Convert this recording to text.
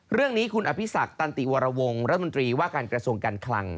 เรื่องนี้คุณอภิษักตันติวรวงรัฐมนตรีว่าการกระทรวงการคลัง